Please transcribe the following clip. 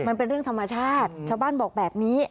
มันเป็นเรื่องธรรมชาติชาวบ้านบอกแบบนี้